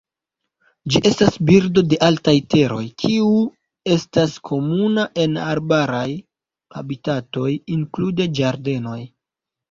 Ĝi estas birdo de altaj teroj kiu estas komuna en arbaraj habitatoj, inklude ĝardenoj.